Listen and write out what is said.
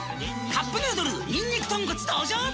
「カップヌードルにんにく豚骨」登場！